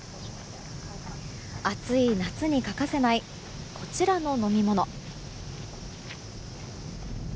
暑い夏に欠かせないこちらの飲み物。